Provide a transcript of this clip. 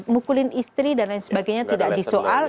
mukulin istri dan lain sebagainya tidak disoal